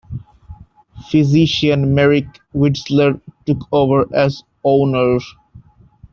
Physician Merrick Wetzler took over as owner.